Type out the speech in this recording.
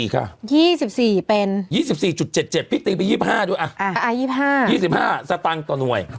๒๔ค่ะ๒๔เป็น๒๔๗๗พิติไป๒๕ดูอ่ะ๒๕๒๕สตังค์ต่อหน่วย